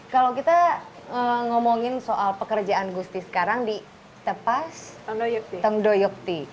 kalau kita ngomongin soal pekerjaan gusti sekarang di tepas tondoyokti